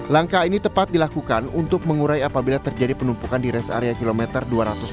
langkah ini tepat dilakukan untuk mengurai apabila terjadi penumpukan di res area kilometer dua ratus dua puluh